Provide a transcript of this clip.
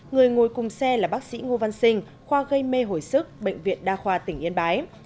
người ngồi cùng xe là bác sĩ ngô văn sinh khoa gây mê hồi sức bệnh viện đa khoa tỉnh yên bái